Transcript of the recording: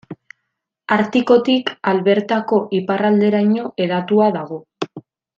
Artikotik Albertako iparralderaino hedatua dago.